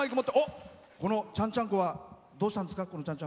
この、ちゃんちゃんこはどうしたんですか？